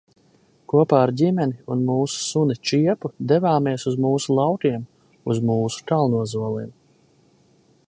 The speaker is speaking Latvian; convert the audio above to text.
Kopā ar ģimeni un mūsu suni Čiepu devāmies uz mūsu laukiem, uz mūsu Kalnozoliem.